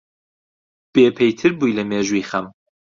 بێپەیتر بووی لە مێژووی خەم